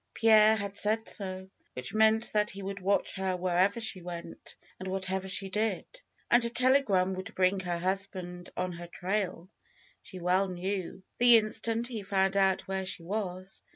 Pierre had said so, which meant that he would watch her wherever she went, and whatever she did. And a telegram would bring her husband on her trail, she well knew, the instant he found out where she was.